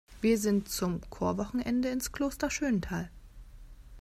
Wir sind zum Chorwochenende ins Kloster Schöntal.